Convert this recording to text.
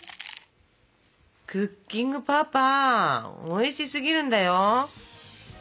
クッキングパパおいしすぎるんだよ。